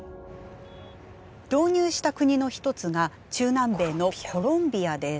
導入した国の一つが中南米のコロンビアです。